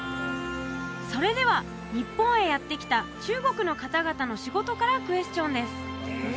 それでは日本へやって来た中国の方々の仕事からクエスチョンです